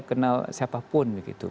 kenal siapapun begitu